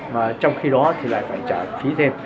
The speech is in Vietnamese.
mà trong khi đó thì lại phải trả phí thêm